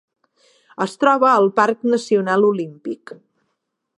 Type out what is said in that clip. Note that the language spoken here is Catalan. Es troba al Parc Nacional Olímpic.